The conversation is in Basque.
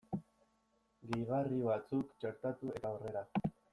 Gehigarri batzuk txertatu eta aurrera!